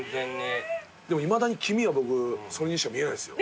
いまだに黄身はそれにしか見えないですよ。